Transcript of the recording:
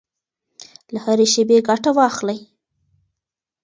له هرې شېبې ګټه واخلئ.